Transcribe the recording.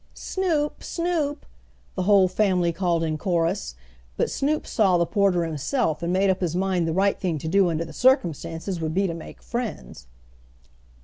"Snoop! Snoop!" the whole family called in chorus, but Snoop saw the porter himself and made up his mind the right thing to do under the circumstances would be to make friends.